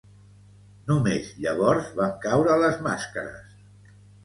Només llavors van caure les màscares.